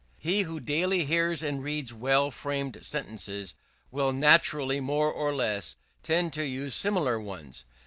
He who daily hears and reads well framed sentences, will naturally more or less tend to use similar ones.